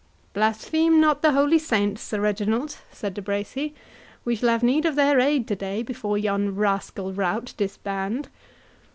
"Blaspheme not the holy saints, Sir Reginald," said De Bracy, "we shall have need of their aid to day before yon rascal rout disband."